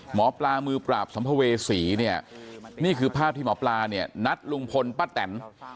หมอปลามือปราบสัมภเวษีนี่คือภาพที่หมอปลานัดลุงพลป้าแต่น